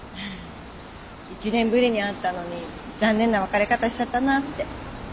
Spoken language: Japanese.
１年ぶりに会ったのに残念な別れ方しちゃったなあって。